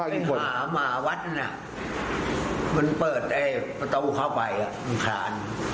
เป็นหาหมาวัดอันนั้นมันเปิดประตูเข้าไปมันคลาน